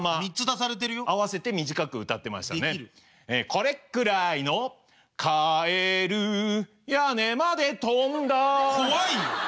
これくらいのかえるやねまでとんだ怖いよ。